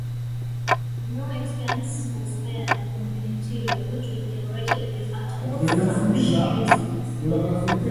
No expense was spared on the interior, which was decorated with the utmost sumptuousness.